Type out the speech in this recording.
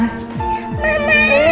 aku kangen sama mama